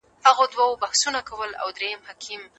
د پوهنې په قوانینو کي د ښوونکو د مکافاتو یادونه نه وه.